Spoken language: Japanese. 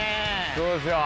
そうですよ